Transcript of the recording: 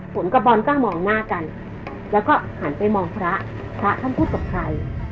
ผมกับบอลก็มองหน้ากันแล้วก็หันไปมองพระพระท่านพูดกับใคร